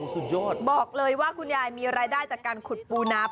สุดยอดบอกเลยว่าคุณยายมีรายได้จากการขุดปูนา